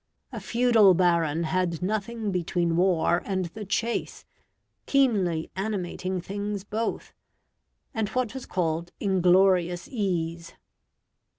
A feudal baron had nothing between war and the chase keenly animating things both and what was called "inglorious ease".